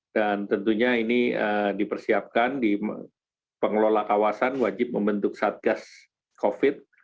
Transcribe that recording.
dan tentunya ini dipersiapkan di pengelola kawasan wajib membentuk satgas covid sembilan belas